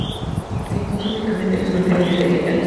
Se encuentran únicamente en los materiales vegetales.